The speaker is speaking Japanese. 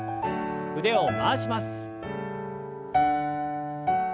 腕を回します。